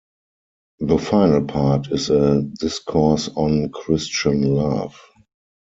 The final part is a discourse on Christian love.